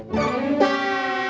kalau semua sekretaris